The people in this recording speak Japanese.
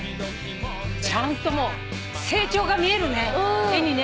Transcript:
ちゃんと成長が見えるね絵にね。